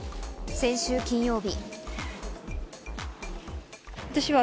先週金曜日。